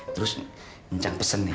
terus mencang pesen nih